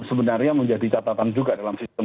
sebenarnya menjadi catatan juga dalam sistem